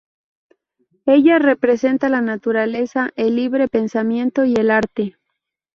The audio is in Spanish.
Ella representa la naturaleza, el libre pensamiento y el arte.